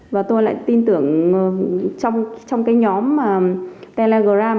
và tôi lại tin tưởng trong cái nhóm telegram